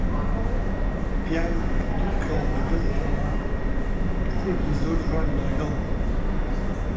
پیاوێک دوو کەو بە دەستەوە، کچێکی زۆر جوانی لەگەڵ بوو